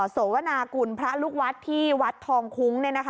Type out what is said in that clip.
โสนากุลพระลูกวัดที่วัดทองคุ้ง